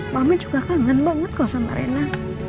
mama juga kangen banget kok sama rena